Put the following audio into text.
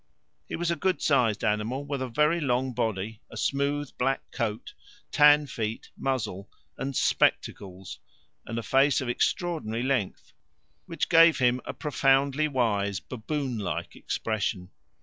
He was a good sized animal, with a very long body, a smooth black coat, tan feet, muzzle, and "spectacles," and a face of extraordinary length, which gave him a profoundly wise baboon like expression.